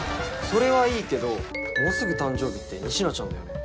それはいいけどもうすぐ誕生日って仁科ちゃんだよね？